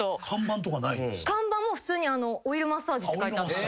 看板も普通にオイルマッサージって書いてあったんで。